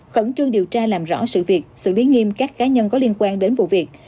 khẩn trương điều tra làm rõ sự việc xử lý nghiêm các cá nhân có liên quan đến vụ việc